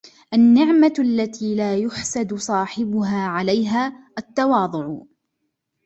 النِّعْمَةُ الَّتِي لَا يُحْسَدُ صَاحِبُهَا عَلَيْهَا التَّوَاضُعُ